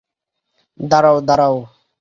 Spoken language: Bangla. দাঁড়াও, দাঁড়াও!